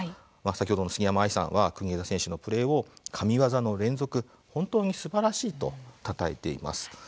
先ほどの杉山愛さんは国枝選手のプレーを「神技の連続本当にすばらしい」とたたえています。